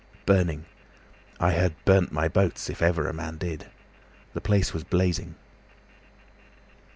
Burning! I had burnt my boats—if ever a man did! The place was blazing."